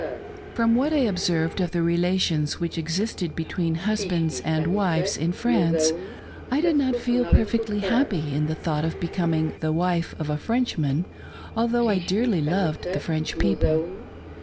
From what I observed of the relations which existed be ENGAGED. 37 tween husbands and wives in France, I did not feel perfectly happy in the thought of becoming the wife of a Frenchman, although I dearly loved the French people.